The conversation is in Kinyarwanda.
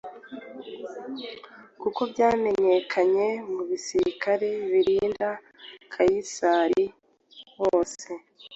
kuko byamenyekanye mu basirikare barinda Kayisari bose